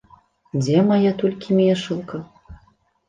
Дзе мая толькі мешалка?